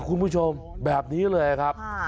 คุณผู้ชมแบบนี้เลยครับ